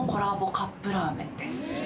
カップラーメンです